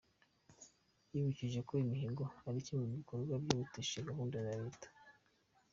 Yibukije ko imihigo ari kimwe mu bikorwa byihutisha gahunda za Leta.